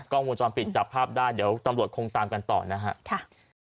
กล้องมูลจอมปิดจับภาพได้เดี๋ยวตำลดคงตามกันต่อนะฮะค่ะ